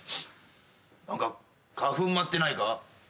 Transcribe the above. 何か花粉舞ってないか？